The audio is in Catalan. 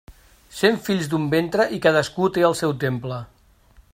Cent fills d'un ventre, i cadascú té el seu temple.